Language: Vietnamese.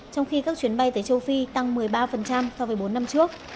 trong khi các chuyến bay tới châu phi tăng một mươi ba so với bốn năm trước